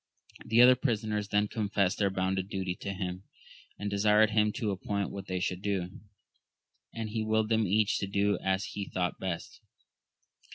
The other prisoners then confessed their bounden duty to him, and desired him to appoint what they should do, and he willed them each to do as he thought best.